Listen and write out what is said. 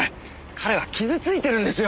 彼は傷ついてるんですよ！